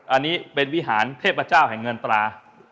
อันนี้เป็นวิหารเทพเจ้าแห่งเงินตรา